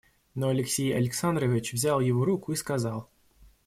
Но Алексей Александрович взял его руку и сказал.